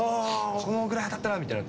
このぐらい当たったなみたい